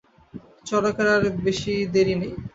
চড়কের আর বেশি দেরি নাই।